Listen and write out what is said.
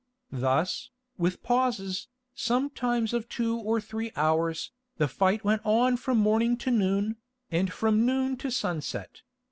Thus, with pauses, sometimes of two or three hours, the fight went on from morning to noon, and from noon to sunset.